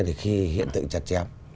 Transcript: thì khi hiện tượng chặt chép